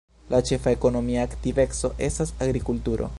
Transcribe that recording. La ĉefa ekonomia aktiveco estas agrikulturo.